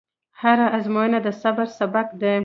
هره ازموینه د صبر سبق دی.